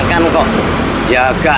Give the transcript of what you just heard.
kasian nyangop kok terjadi hal semacam itu